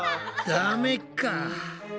ダメか。